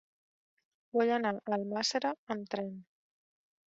Vull anar a Almàssera amb tren.